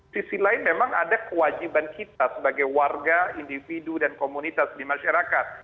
sisi lain memang ada kewajiban kita sebagai warga individu dan komunitas di masyarakat